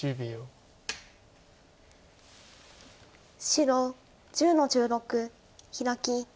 白１０の十六ヒラキ。